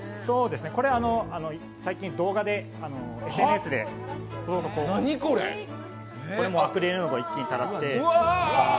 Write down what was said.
これ、最近動画で、ＳＮＳでこれもアクリル絵の具一気に垂らして。